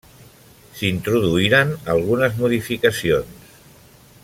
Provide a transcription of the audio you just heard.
S'hi introduïren algunes modificacions.